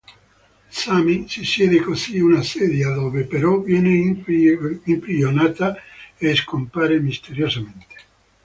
Sammy, si siede così una sedia, dove però, viene imprigionata e scompare misteriosamente.